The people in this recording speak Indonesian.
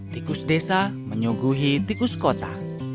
tikus desa menyuguhi tikus kota